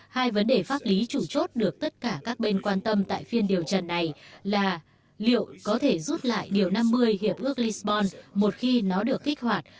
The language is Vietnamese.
hai vấn đề pháp lý chủ chốt được tất cả các bên quan tâm tại phiên điều trần này là liệu có thể rút lại điều năm mươi hiệp ước lisbon một khi nó được kích hoạt